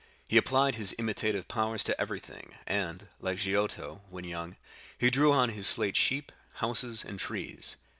He applied his imitative powers to everything, and, like Giotto, when young, he drew on his slate sheep, houses, and trees.